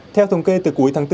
theo thống kê từ cuối tháng bốn